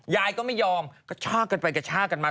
ยายก็ไม่ยอมกระชากกันไปกระชากันมา